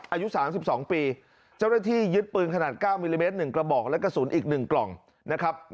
อายุ๓๒ปีเจ้าหน้าที่ยึดปืนขนาด๙มิลลิเมตร๑กระบอกและกระสุนอีก๑กล่องนะครับ